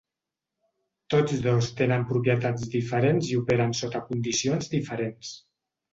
Tots dos tenen propietats diferents i operen sota condicions diferents.